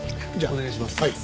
お願いします。